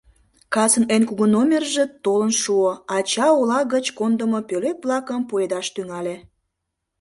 Касын эн кугу номерже толын шуо: ача ола гыч кондымо пӧлек-влакым пуэдаш тӱҥале.